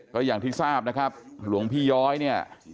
ก็อย่างที่ทราบนะครับหลวงพี่ย้อยเนี่ย